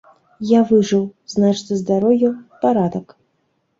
Я выжыў, значыць, са здароўем парадак.